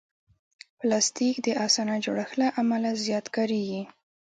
پلاستيک د اسانه جوړښت له امله زیات کارېږي.